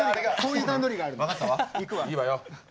いいわよ。